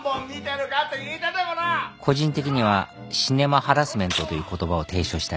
個人的にはシネマハラスメントという言葉を提唱したい。